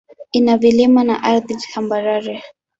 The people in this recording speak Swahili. Ina vilima na ardhi tambarare.